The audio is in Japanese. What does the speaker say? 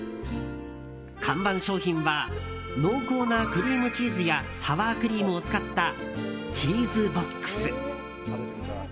看板商品は濃厚なクリームチーズやサワークリームを使ったチーズボックス。